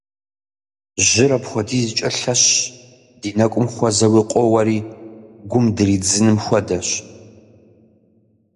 Жьыр апхуэдизкӏэ лъэщщ, ди нэкӏум хуэзэуи къоуэри гум дыридзыным хуэдэщ.